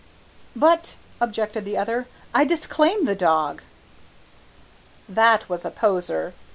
"But," objected the other, "I disclaim the dog." That was a poser.